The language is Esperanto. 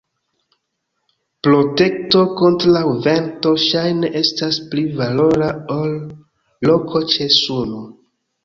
Protekto kontraŭ vento ŝajne estas pli valora ol loko ĉe suno.